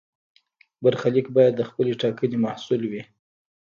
برخلیک باید د خپلې ټاکنې محصول وي.